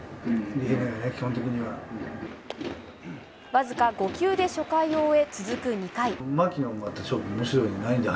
わずか５球で初回を終え、続く２回。